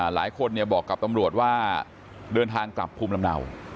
หลายคนบอกกับตำรวจว่าเดินทางกลับภูมิลำเนา